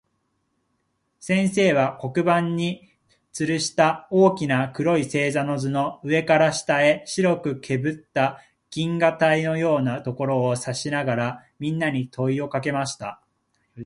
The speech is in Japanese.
先生は、黒板に吊つるした大きな黒い星座の図の、上から下へ白くけぶった銀河帯のようなところを指さしながら、みんなに問といをかけました。